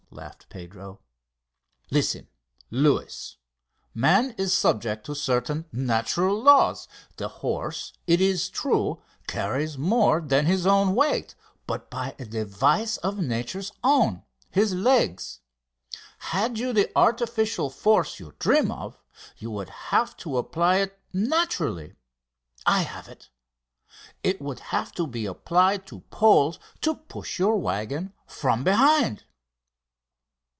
laughed Pedro. "Listen, Luis. Man is subject to certain natural laws. The horse, it is true, carries more than his own weight, but by a device of Natures own his legs. Had you the artificial force you dream of you would have to apply it naturally. I have it! It would have to be applied to poles to push your waggon from behind!"